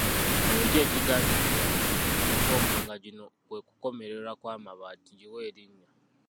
Emiti egiganzikibwa ku mikomba nga gino kwe kukomererwa amabaati giwe erinnya.